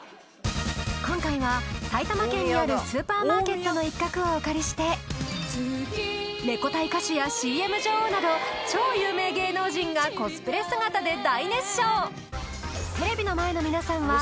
今回は埼玉県にあるスーパーマーケットの一角をお借りしてレコ大歌手やＣＭ女王など超有名芸能人がコスプレ姿で大熱唱！